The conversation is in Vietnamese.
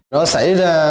nó xảy ra